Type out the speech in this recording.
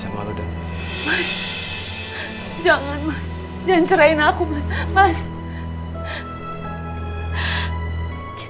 aku sudah selesai